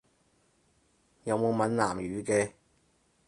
有冇閩南語嘅？